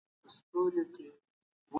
مغول په دي پوه سول چي سوله غوره ده.